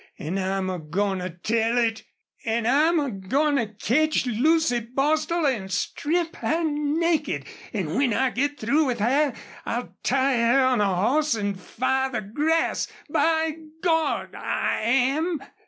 An' I'm a goin' to tell it! ... An' I'm a goin' to ketch Lucy Bostil an' strip her naked, an' when I git through with her I'll tie her on a hoss an' fire the grass! By Gawd! I am!"